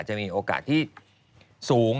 จะมีโอกาสที่สูง